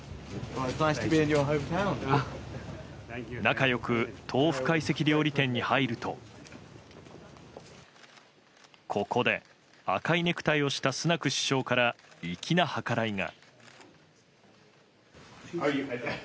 仲良く豆腐懐石料理店に入るとここで、赤いネクタイをしたスナク首相から粋な計らいが。